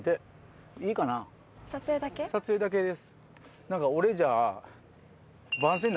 撮影だけです。